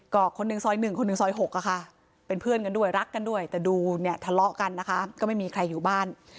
ก็คนหนึ่งซอย๑คนหนึ่งซอย๖ค่ะเป็นเพื่อนกันด้วยรักกันด้วยแต่ดูเนี่ยทะเลาะกันนะคะก็ไม่มีใครอยู่บ้าน